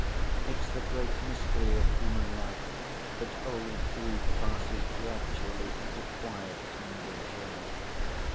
It's the great mystery of human life that old grief passes gradually into quiet, tender joy.